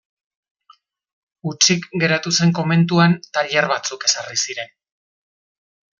Hutsik geratu zen komentuan tailer batzuk ezarri ziren.